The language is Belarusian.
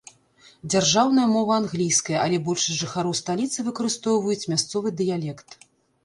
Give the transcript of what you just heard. Дзяржаўная мова англійская, але большасць жыхароў сталіцы выкарыстоўваюць мясцовы дыялект.